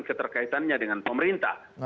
dan itu terkaitnya dengan pemerintah